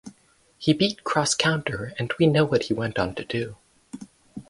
He beat Cross Counter and we know what he went on to do.